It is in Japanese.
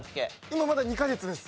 今まだ２カ月です。